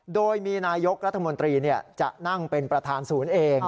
โดยมีนายกรัฐมนตรีจะนั่งเป็นประธานศูนย์เอง